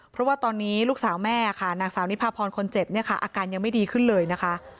เพราะว่าตอนนี้ลูกสาวแม่ค่ะนางสาวนิพาพรคนเจ็บเนี่ยค่ะอาการยังไม่ดีขึ้นเลยนะคะ